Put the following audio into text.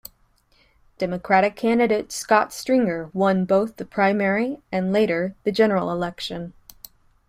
Democratic candidate Scott Stringer won both the primary and later the general election.